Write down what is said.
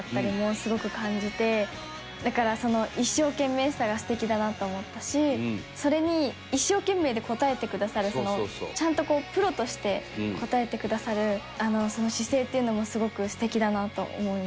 だから一生懸命さが素敵だなと思ったしそれに一生懸命で応えてくださるちゃんとプロとして応えてくださるその姿勢っていうのもすごく素敵だなと思いましたし。